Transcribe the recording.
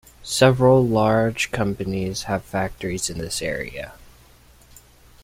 Several large companies have factories in this area.